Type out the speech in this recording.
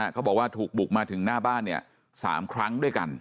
เขาบอกว่าถูกบุกมาถึงหน้าบ้าน๓ครั้งด้วยกัน